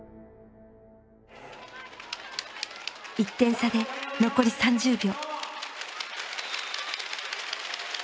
１点差で残り３０秒。